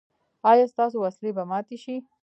ایا ستاسو وسلې به ماتې شي؟